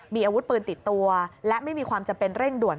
มีอาวุธปืนติดตัวและไม่มีความจำเป็นเร่งด่วน